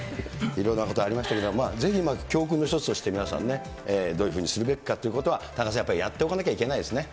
いろんなことありましたけど、ぜひ、教訓の一つとして、皆さんね、どういうふうにするべきかということは、田中さん、やっぱりやっておかなきゃいけないですね。